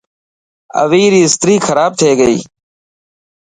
اوي ري استري کراب ٿي گئي.